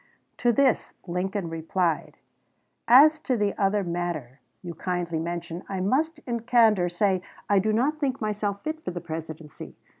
To this Lincoln replied: "As to the other matter you kindly mention, I must in candor say I do not think myself fit for the Presidency.